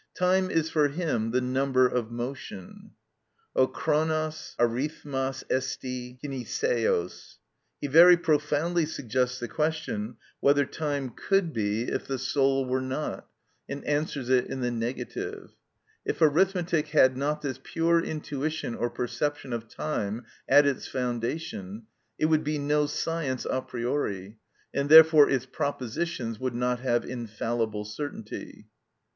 Time is for him "the number of motion" ("ὁ χρονος αριθμος εστι κινησεως"). He very profoundly suggests the question whether time could be if the soul were not, and answers it in the negative. If arithmetic had not this pure intuition or perception of time at its foundation, it would be no science a priori, and therefore its propositions would not have infallible certainty.